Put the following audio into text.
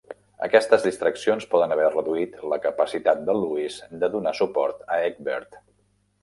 Aquestes distraccions poden haver reduït la capacitat de Louis de donar suport a Egbert.